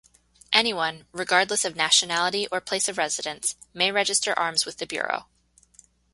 Anyone, regardless of nationality or place of residence, may register arms with the Bureau.